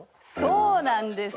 そうなんです。